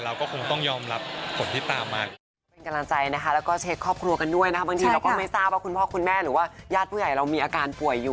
เราก็คงต้องยอมรับผลที่ตามมา